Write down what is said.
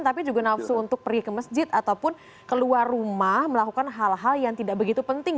tapi juga nafsu untuk pergi ke masjid ataupun keluar rumah melakukan hal hal yang tidak begitu penting